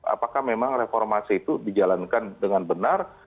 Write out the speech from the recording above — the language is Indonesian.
apakah memang reformasi itu dijalankan dengan benar